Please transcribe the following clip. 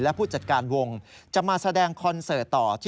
และผู้จัดการวงจะมาแสดงคอนเสิร์ตต่อ